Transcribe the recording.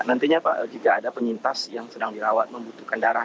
nantinya pak jika ada penyintas yang sedang dirawat membutuhkan darah